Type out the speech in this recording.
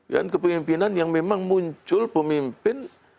dan kepemimpinan yang memang muncul pemimpin